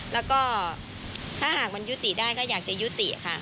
แล้วก็ถ้าหากมันยุติได้ก็อยากจะยุติค่ะ